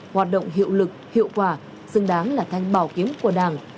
hoạt động hiệu lực hiệu quả xứng đáng là thanh bảo kiếm của đảng